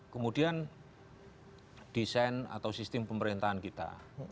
kemudian desain atau sistem pemerintahan kita